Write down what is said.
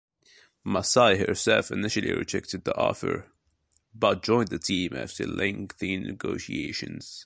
Masai herself initially rejected the offer, but joined the team after lengthy negotiations.